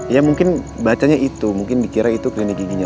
ya mungkin bacanya itu mungkin dikira itu klinik giginya